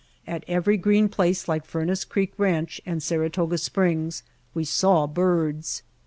At every green place like Furnace Creek Ranch and Saratoga Springs, we saw birds.